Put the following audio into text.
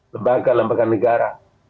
lembaga lembaga negara